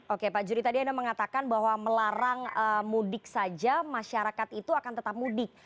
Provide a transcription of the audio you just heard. oke pak juri tadi anda mengatakan bahwa melarang mudik saja masyarakat itu akan tetap mudik